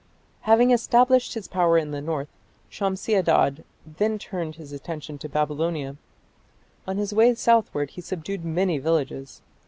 Having established his power in the north, Shamshi Adad then turned attention to Babylonia. On his way southward he subdued many villages.